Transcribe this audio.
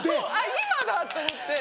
今だ！と思って。